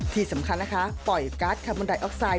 ที่สำคัญนะคะปล่อยการ์ดคาร์บอนไดออกไซด